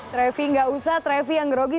trevi nggak usah trevi yang gerogi